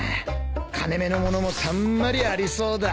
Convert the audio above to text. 金目の物もたんまりありそうだ。